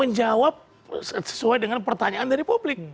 menjawab sesuai dengan pertanyaan dari publik